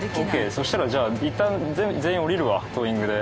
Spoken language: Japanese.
そしたらじゃあいったん全員降りるわトーイングで。